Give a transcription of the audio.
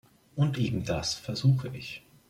Und ebendas versuche ich.